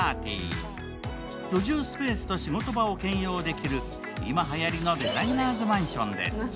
居住スペースと仕事場を兼用できる今、はやりのデザイナーズマンションです。